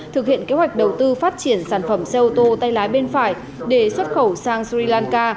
thực hiện kế hoạch đầu tư phát triển sản phẩm xe ô tô tay lái bên phải để xuất khẩu sang sri lanka